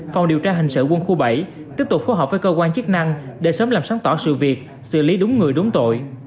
phòng điều tra hình sự quân khu bảy tiếp tục phối hợp với cơ quan chức năng để sớm làm sáng tỏ sự việc xử lý đúng người đúng tội